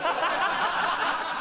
ハハハハハ。